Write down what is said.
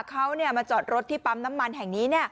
เขามาจอดรถที่ปั๊มน้ำมันแห่งนี้